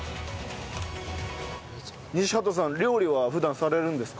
西畑さん料理は普段されるんですか？